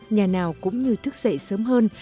nhà nào cũng như thức dậy sớm hơn